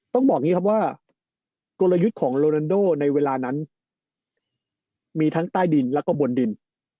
ต้องบอกอย่างนี้ครับว่ากลยุทธ์ของโรนันโดในเวลานั้นมีทั้งใต้ดินแล้วก็บนดิน